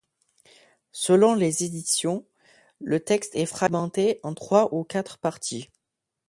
Selon les éditions, le texte est fragmenté en trois ou quatre parties.